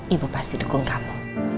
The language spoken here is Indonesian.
ibu pasti dukung kamu